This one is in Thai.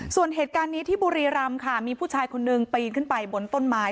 ส่วนเหตุการณ์นี้ที่บุรีรำค่ะมีผู้ชายคนนึงปีนขึ้นไปบนต้นไม้